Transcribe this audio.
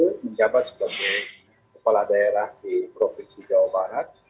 beliau menjabat sebagai kepala daerah di provinsi jawa barat